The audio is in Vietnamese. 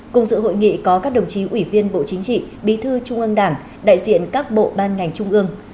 cùng dự hội nghị có các đồng chí ủy viên bộ chính trị bí thư trung ương đảng đại diện các bộ ban ngành trung ương